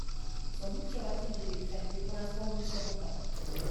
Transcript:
Sans doute y aura-t-il des décrets, mais pour l’instant nous ne savons pas.